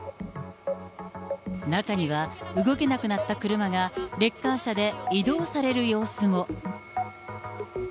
中には動けなくなった車がレッカー車で移動される様子も。